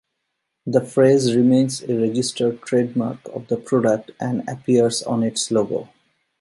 The phrase remains a registered trademark of the product and appears on its logo.